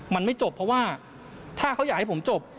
มันไม่จบเพราะว่าถ้าเขาอยากให้ผมจบ